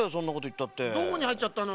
どこにはいっちゃったの？